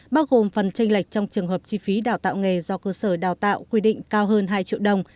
bao gồm phần tranh lệch trong trường hợp chi phí đào tạo nghề do cơ sở đào tạo quy định cao hơn hai triệu đồng